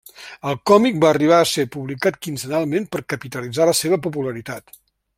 El còmic va arribar a ser publicat quinzenalment per capitalitzar la seva popularitat.